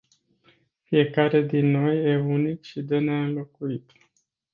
Fiecare din noi e unic și de neînlocuit.